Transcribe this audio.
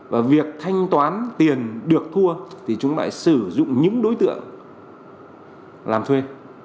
và việc thanh toán tiền được thua thì chúng lại sử dụng những đối tượng làm thuê